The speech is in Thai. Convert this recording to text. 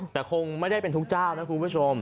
แต่คงไม่ได้เป็นทุกเจ้านะคุณผู้ชม